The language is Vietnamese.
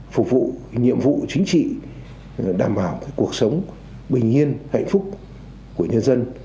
phục vụ nhiệm vụ chính trị đảm bảo cuộc sống bình yên hạnh phúc của nhân dân